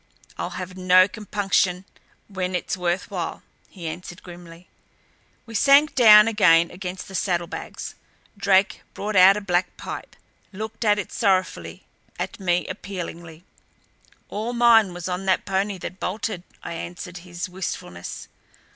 "I'll have no compunction when it's worth while," I answered as grimly. We sank down again against the saddlebags; Drake brought out a black pipe, looked at it sorrowfully; at me appealingly. "All mine was on that pony that bolted," I answered his wistfulness.